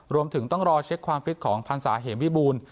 รวมถึงต้องรอเช็คความฟิตของพันศาเหมวิบูรณ์